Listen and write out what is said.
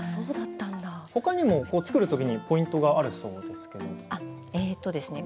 ほかにも作るときにポイントがあるそうですけれど。